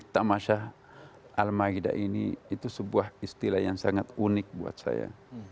tamasyah al maida ini itu sebuah istilah yang sangat unik buat saya